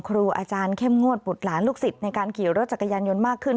ครูอาจารย์เข้มงวดบุตรหลานลูกศิษย์ในการขี่รถจักรยานยนต์มากขึ้น